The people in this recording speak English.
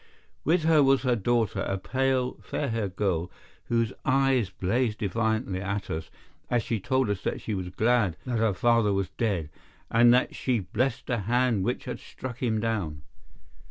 With her was her daughter, a pale, fair haired girl, whose eyes blazed defiantly at us as she told us that she was glad that her father was dead, and that she blessed the hand which had struck him down.